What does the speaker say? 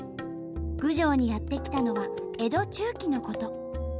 郡上にやって来たのは江戸中期のこと。